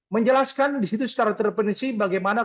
menjelaskan di situ secara terdependensi bagaimana